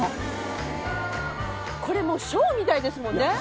これもうショーみたいですもんね。